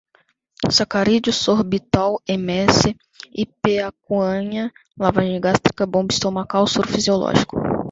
sacarídeos, sorbitol, emese, ipecacuanha, lavagem gástrica, bomba estomacal, soro fisiológico